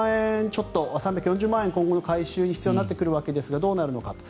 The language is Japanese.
ちょっと３４０万円、今後回収が必要になってくるわけですがどうなるかと。